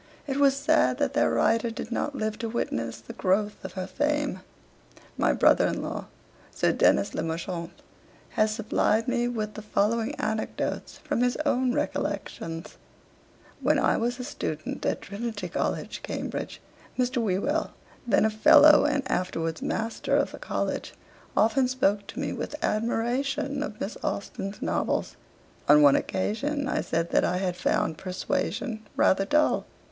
It was sad that their writer did not live to witness the growth of her fame.' My brother in law, Sir Denis Le Marchant, has supplied me with the following anecdotes from his own recollections: 'When I was a student at Trinity College, Cambridge, Mr. Whewell, then a Fellow and afterwards Master of the College, often spoke to me with admiration of Miss Austen's novels. On one occasion I said that I had found "Persuasion" rather dull.